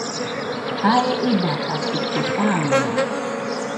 Jae ɨbatatikue, pan naa.